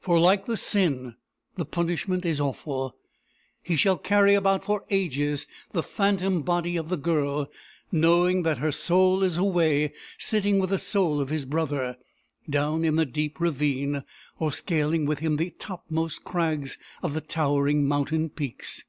For, like the sin, the punishment is awful: he shall carry about for ages the phantom body of the girl, knowing that her soul is away, sitting with the soul of his brother, down in the deep ravine, or scaling with him the topmost crags of the towering mountain peaks.